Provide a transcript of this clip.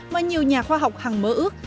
mà nhiều nhà khoa học hằng mơ ước